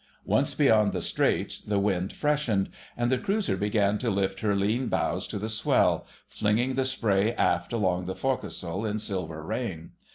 Once beyond the Straits the wind freshened, and the cruiser began to lift her lean bows to the swell, flinging the spray aft along the forecastle in silver rain.